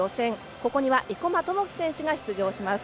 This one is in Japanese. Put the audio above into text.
ここには生馬知季選手が出場します。